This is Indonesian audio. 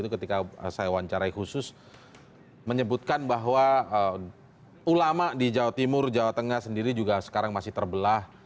ketika saya wawancarai khusus menyebutkan bahwa ulama di jawa timur jawa tengah sendiri juga sekarang masih terbelah